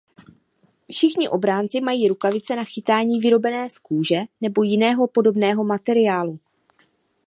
Všichni obránci mají rukavice na chytání vyrobené z kůže nebo jiného podobného materiálu.